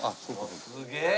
すげえ！